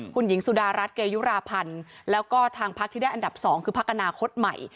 คุณหญิงสุดารัฐเกยุราพันธ์แล้วก็ทางพักที่ได้อันดับ๒คือพักอนาคตใหม่